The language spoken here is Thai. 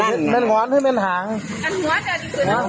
อู่โทรใช่ตรงหมดแล้วนี่